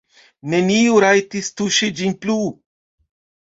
Neniu rajtis tuŝi ĝin plu.